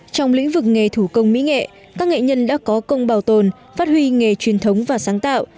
trong lĩnh vực nghề thủ công mỹ nghệ các nghệ nhân đã có công bảo tồn phát huy nghề truyền thống và sáng tạo